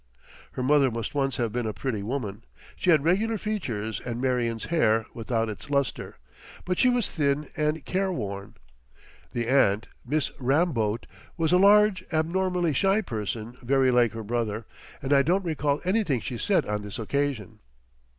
Her mother must once have been a pretty woman; she had regular features and Marion's hair without its lustre, but she was thin and careworn. The aunt, Miss Ramboat, was a large, abnormally shy person very like her brother, and I don't recall anything she said on this occasion.